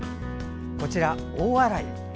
こちら、大洗。